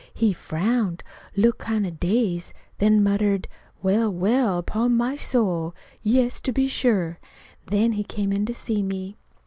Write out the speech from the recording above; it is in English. "He frowned, looked kind of dazed, then muttered: 'Well, well, upon my soul! Yes, to be sure!'" Then he came in to see me.